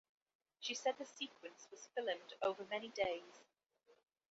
She said the sequence was filmed over many days.